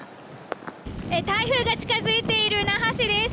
台風が近づいている那覇市です。